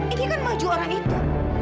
ini kan baju orang itu